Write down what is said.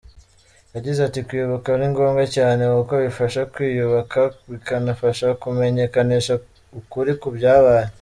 Yagize ati ‘‘Kwibuka ni ngombwa cyane, kuko bifasha kwiyubaka, bikanafasha kumenyekanisha ukuri ku byabaye.